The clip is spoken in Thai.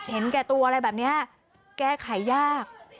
เห็นแก่ตัวอะไรแบบนี้แก้ไขยาก